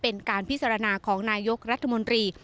เป็นการพิจารณาของนายกรัฐมนตรี